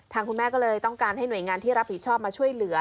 คุณแม่ก็เลยต้องการให้หน่วยงานที่รับผิดชอบมาช่วยเหลือ